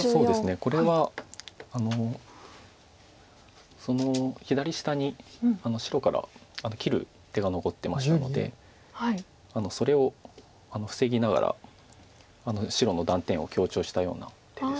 これはその左下に白から切る手が残ってましたのでそれを防ぎながら白の断点を強調したような手です。